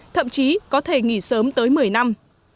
thậm chí có thể nghỉ sớm tới một mươi năm